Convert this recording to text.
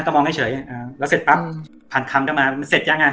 ก็มองเฉยอ่าแล้วเสร็จปั๊บผ่านคำเข้ามามันเสร็จยังอ่ะ